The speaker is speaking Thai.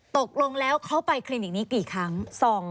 ตกลงแล้วเขาไปคลินิกนี้กี่ครั้ง